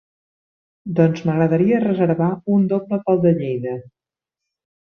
Doncs m'agradaria reservar un doble pel de Lleida.